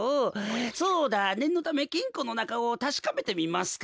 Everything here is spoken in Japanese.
そうだねんのためきんこのなかをたしかめてみますか。